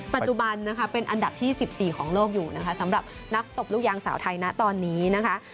ปัจจุบันเป็นอันดับที่๑๔สำหรับนักตบลูกยางสาวไทยนะตอนนี้นะคะ